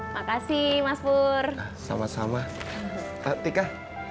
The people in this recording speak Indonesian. makasih mas pur sama sama tika